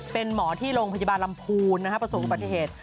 เป็นหมอที่โรงพยาบาลลำภูนย์ประสูรปัตยาเหตุ